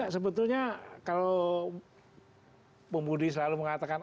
enggak sebetulnya kalau pembudi selalu mengatakan